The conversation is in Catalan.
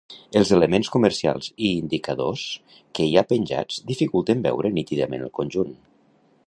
Els elements comercials i indicadors que hi ha penjats dificulten veure nítidament el conjunt.